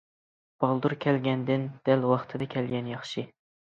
بالدۇر كەلگەندىن دەل ۋاقتىدا كەلگەن ياخشى.